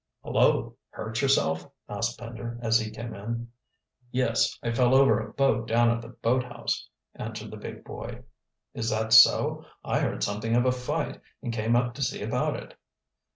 "Hullo, hurt yourself?" asked Pender, as he came in. "Yes, I fell over a boat down at the boathouse," answered the big boy. "Is that so? I heard something of a fight, and came up to see about it."